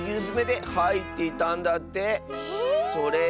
づめではいっていたんだって。